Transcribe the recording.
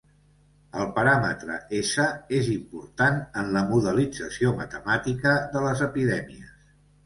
El paràmetre "S" és important en la modelització matemàtica de les epidèmies.